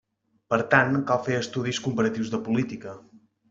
Per tant, cal fer estudis comparatius de política.